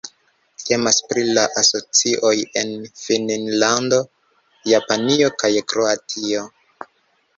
Temas pri la asocioj en Finnlando, Japanio kaj Kroatio.